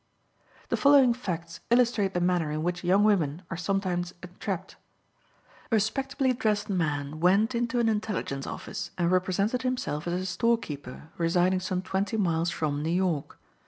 The following facts illustrate the manner in which young women are sometimes entrapped. A respectably dressed man went into an intelligence office, and represented himself as a storekeeper residing some twenty miles from New York.